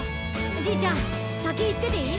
じいちゃんさきいってていい？